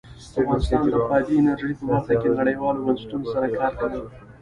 افغانستان د بادي انرژي په برخه کې نړیوالو بنسټونو سره کار کوي.